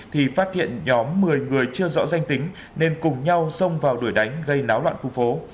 thì phát hiện nhóm một mươi người chưa rõ danh tính nên cùng nhau xông vào đuổi đánh gây náo loạn khu phố